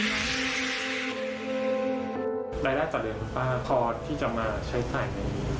รายได้ต่อเดิมป้าพอที่จะมาใช้ไข่ไหน